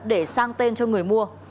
để sang tên cho người mua